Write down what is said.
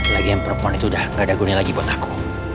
lagian teleponnya itu udah gak ada gunanya lagi buat aku